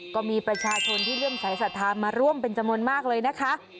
ก็มีประชาชนที่เลื่อมสายสาธารณ์มาร่วมเป็นจมนต์มากเลยนะคะ